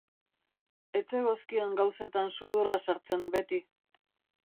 Ez zegozkion gauzetan sudurra sartzen beti.